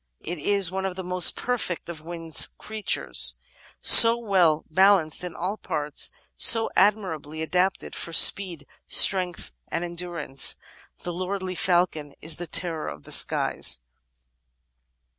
It is one of the most perfect of winged Crea tures, "so well balanced in all parts, so admirably adapted for speed, strength, and endurance." The lordly falcon is "the terror of the skies."